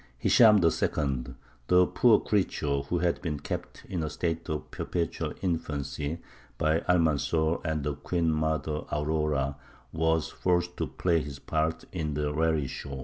Hishām II., the poor creature who had been kept in a state of perpetual infancy by Almanzor and the queen mother Aurora, was forced to play his part in the raree show.